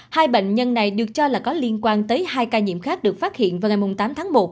hai bệnh nhân này được cho là có liên quan tới hai ca nhiễm khác được phát hiện vào ngày tám tháng một